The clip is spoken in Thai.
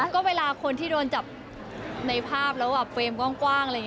ก็เวลาคนที่โดนจับในภาพแล้วแบบเฟรมกว้างอะไรอย่างนี้